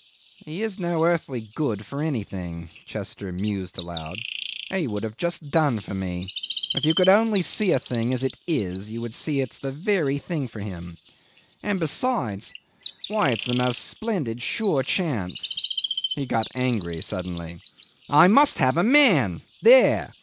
"He is no earthly good for anything," Chester mused aloud. "He would just have done for me. If you only could see a thing as it is, you would see it's the very thing for him. And besides ... Why! it's the most splendid, sure chance ..." He got angry suddenly. "I must have a man. There!